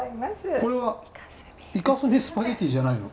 これはイカスミスパゲッティじゃないの？